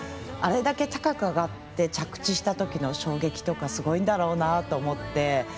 あれだけ高く上がって着地したときの衝撃とかすごいんだろうなと思って。